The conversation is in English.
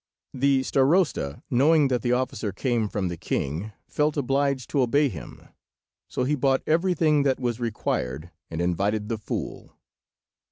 The Starosta, knowing that the officer came from the king, felt obliged to obey him, so he bought everything that was required, and invited the fool.